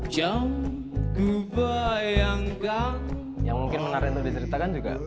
jauha yang mungkin menarik untuk diceritakan juga